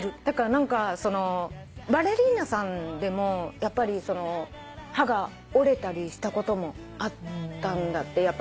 だから何かバレリーナさんでもやっぱり歯が折れたりしたこともあったんだって。